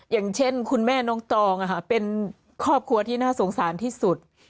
อย่างเช่นคุณแม่น้องตองเป็นครอบครัวที่น่าสงสารที่สุด